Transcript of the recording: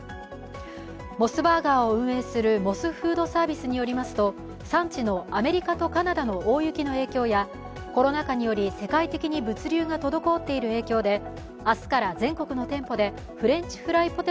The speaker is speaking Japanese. モスバーガーを運営するモスフードサービスによりますと産地のアメリカとカナダの大雪の影響やコロナ禍により世界的に物流が滞っている影響で明日から全国の店舗でフレンチフライ